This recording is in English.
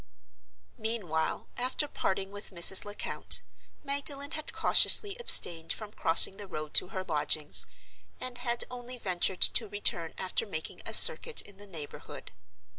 Meanwhile, after parting with Mrs. Lecount, Magdalen had cautiously abstained from crossing the road to her lodgings, and had only ventured to return after making a circuit in the neighborhood.